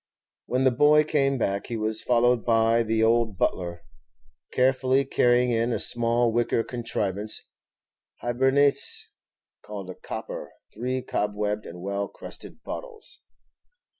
When the boy came back he was followed by the old butler, carefully carrying in a small wicker contrivance, Hibernicè called a cooper, three cobwebbed and well crusted bottles.